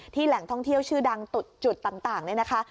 แหล่งท่องเที่ยวชื่อดังจุดต่างเนี่ยนะคะ